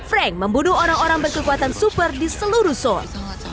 frank membunuh orang orang berkekuatan super di seluruh source